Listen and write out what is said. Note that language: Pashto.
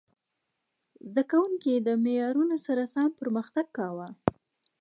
زده کوونکي د معیارونو سره سم پرمختګ کاوه.